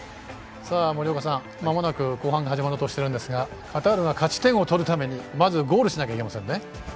森岡さん、まもなく後半が始まろうとしているんですがカタールは勝ち点を取るためにまずゴールしなきゃいけませんね。